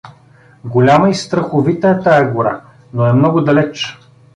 Голяма и страховита е тая гора, но е много далеч.